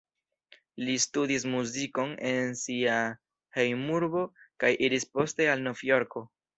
Li studis muzikon en sia hejmurbo kaj iris poste al Novjorko.